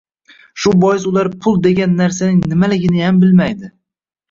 Shu bois ular pul degan narsaning nimaliginiyam bilmaydi